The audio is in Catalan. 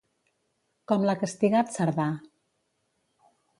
Com l'ha castigat Cerdà?